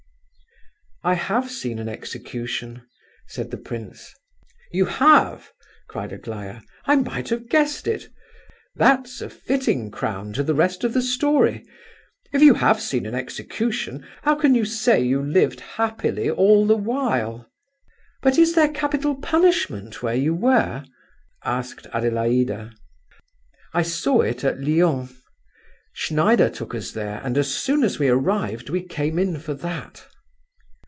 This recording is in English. "I have seen an execution," said the prince. "You have!" cried Aglaya. "I might have guessed it. That's a fitting crown to the rest of the story. If you have seen an execution, how can you say you lived happily all the while?" "But is there capital punishment where you were?" asked Adelaida. "I saw it at Lyons. Schneider took us there, and as soon as we arrived we came in for that."